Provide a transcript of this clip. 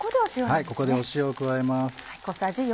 ここで塩を加えます。